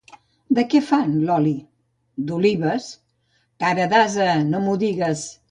De què fan l'oli? —D'olives. —Cara d'ase, no m'ho digues.